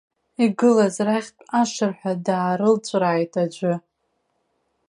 Игылаз рахьтә ашырҳәа даарылҵәрааит аӡәы.